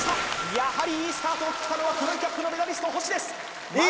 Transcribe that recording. やはりいいスタートを切ったのは黒いキャップのメダリスト星です